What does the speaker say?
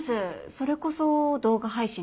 それこそ動画配信で見て。